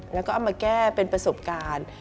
แล้วก็เอามาแก้เป็นประสบการณ์